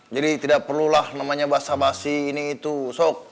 jadi tidak perlulah namanya basa basi ini itu sok